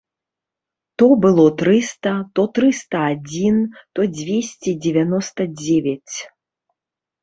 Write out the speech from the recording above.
То было трыста, то трыста адзін, то дзвесце дзевяноста дзевяць.